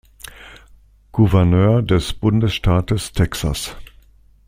Gouverneur des Bundesstaates Texas.